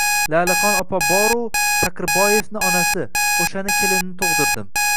Lalixon opa bor-u, Taqirboevni onasi, o`shani kelinini tug`dirdim